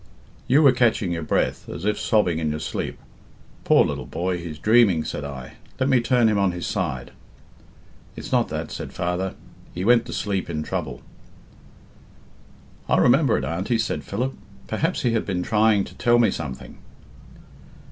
You were catching your breath, as if sobbing in your sleep. 'Poor little boy, he's dreaming,' said I; 'let me turn him on his side.' 'It's not that,' said father; 'he went to sleep in trouble.'" "I remember it, Auntie," said Philip. "Perhaps he had been trying to tell me something."